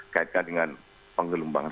kaitkan dengan penggelombangan